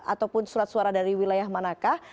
ataupun surat suara dari wilayah manakah